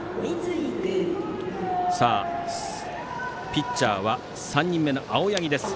ピッチャーは、３人目の青柳。